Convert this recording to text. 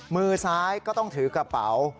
มือซ้ายก็ต้องถือกระเป๋า